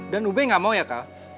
dan ube nggak mau ya kal